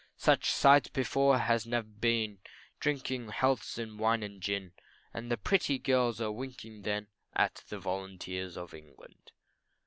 Such sights before has never been, Drinking healths in wine and gin, And the pretty girls a winking then At the volunteers of England.